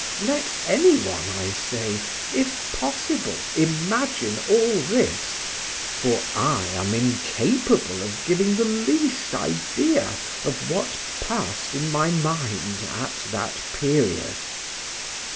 let any one, I say, if possible, imagine all this, for I am incapable of giving the least idea of what passed in my mind at that period.